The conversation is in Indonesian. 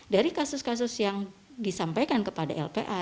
dari kasus kasus yang disampaikan kepada lpa